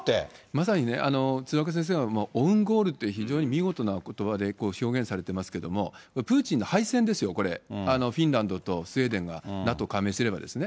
まさにね、鶴岡先生はオウンゴールと、非常に見事なことばで表現されてますけれども、プーチンの敗戦ですよ、これ、フィンランドとスウェーデンがＮＡＴＯ加盟すれば。